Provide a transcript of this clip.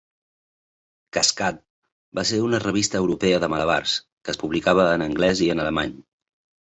"Kaskade" va ser una revista europea de malabars, que es publicava en anglès i en alemany.